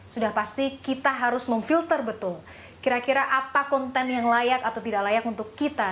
jadi kita harus memiliki konten yang layak atau tidak layak untuk kita